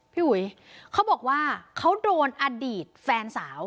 พี่อุ๋ยเขาบอกว่าเขาโดนอดีตแฟนสาว